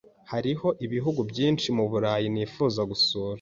Hariho ibihugu byinshi muburayi nifuza gusura.